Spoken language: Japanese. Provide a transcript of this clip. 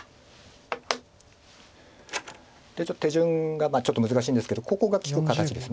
手順がちょっと難しいんですけどここが利く形です。